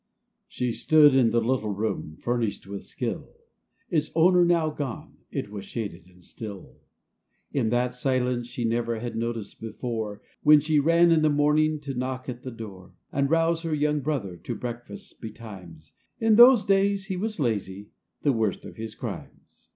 S HE stood in the little room, furnished with skill, Its owner now gone, it was shaded and still ; In that silence she never had noticed before, When she ran in the morning to knock at the door, And rouse her young brother to breakfast betimes, In those days he was lazy, — the worst of his crimes.